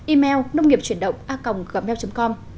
email nông nghiệpchuyểnđộngacong com